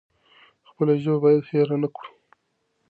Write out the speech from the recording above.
خپله ژبه بايد هېره نکړو.